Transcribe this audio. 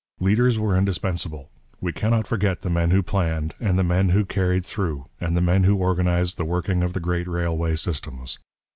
Leaders were indispensable; we cannot forget the men who planned and the men who carried through and the men who organized the working of the great railway systems.